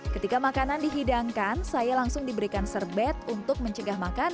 ketika makanan dihidangkan saya langsung diberikan serbet untuk mencegah makanan